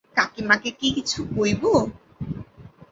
কাকীমাকে কি কিছু কইব?